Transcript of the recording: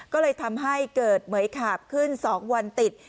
ก็เลยทำให้เกิดเหมือยขาบขึ้น๒วันติด